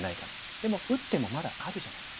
でも打ってもまだあるじゃないですか。